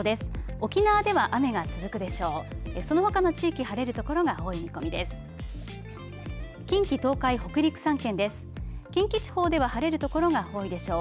沖縄では雨が続くでしょう。